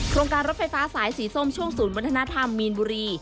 โครงการรถไฟฟ้าสายสีส้มช่วงศูนย์วัฒนธรรมมีนบุรี